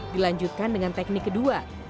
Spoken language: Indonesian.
dilanjutkan dengan teknik kedua